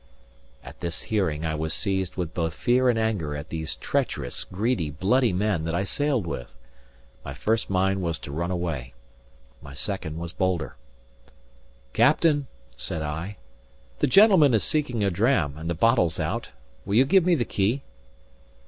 At this hearing, I was seized with both fear and anger at these treacherous, greedy, bloody men that I sailed with. My first mind was to run away; my second was bolder. "Captain," said I, "the gentleman is seeking a dram, and the bottle's out. Will you give me the key?"